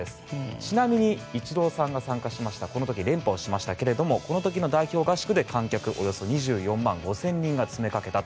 ちなみにイチローさんが参加しましたこの時、連覇しましたけどもこの時の代表合宿で観客およそ２４万５０００人が詰めかけたと。